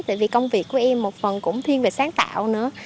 tại vì công việc của em một phần cũng thiên về sáng tạo nữa